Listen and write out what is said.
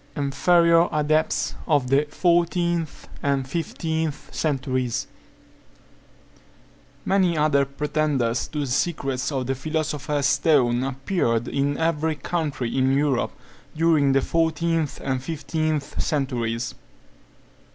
INFERIOR ADEPTS OF THE FOURTEENTH AND FIFTEENTH CENTURIES. Many other pretenders to the secrets of the philosopher's stone appeared in every country in Europe, during the fourteenth and fifteenth centuries.